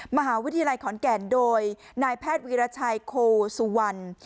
มหาวิทยาลัยขอนแก่นโดยนายแพทย์วีรชัยโคสุวรรณ